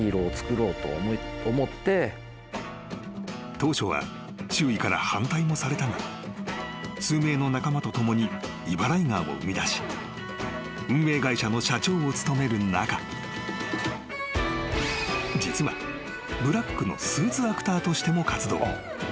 ［当初は周囲から反対もされたが数名の仲間と共にイバライガーを生みだし運営会社の社長を務める中実はブラックのスーツアクターとしても活動］